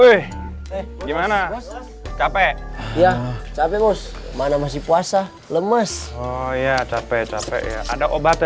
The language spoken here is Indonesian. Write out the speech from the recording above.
wuih gimana capek capek bos mana masih puasa lemes oh ya capek capek ada obat